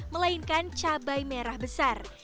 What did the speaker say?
melainkan cabai merah besar